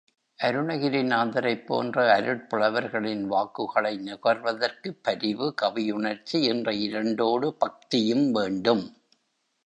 அருணகிரிநாதரைப் போன்ற அருட் புலவர்களின் வாக்குகளை நுகர்வதற்குப் பரிவு, கவியுணர்ச்சி என்ற இரண்டோடு பக்தியும் வேண்டும்.